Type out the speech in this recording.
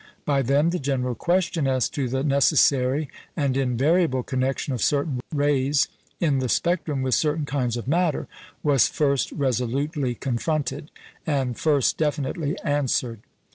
By them the general question as to the necessary and invariable connection of certain rays in the spectrum with certain kinds of matter, was first resolutely confronted, and first definitely answered.